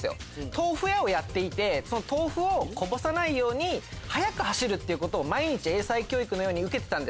豆腐屋をやっていて豆腐をこぼさないように速く走るっていうことを毎日英才教育のように受けて。